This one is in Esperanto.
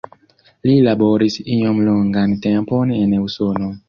Li laboris iom longan tempon en Usono.